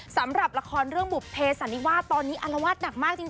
สำหรับราคอลเรื่องแบบบุเภสในคือนี้อลลาวาสหนักมากจริง